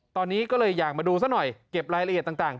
ตอนนี้ก็เลยอยากมาดูซะหน่อยเก็บรายละเอียดต่าง